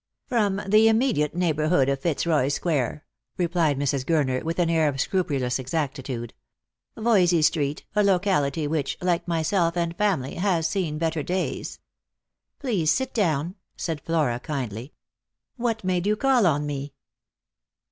"From the immediate neighbourhood of Fitzroy square," replied Mrs. Gurner, with an air of scrupulous exactitude. " Voysey street, a locality which, like myself and family, has seen better days." " Please sit down," said Flora kindly. " What made you call on me